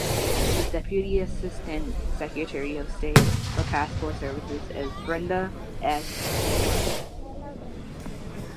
The Deputy Assistant Secretary of State for Passport Services is Brenda S. Sprague.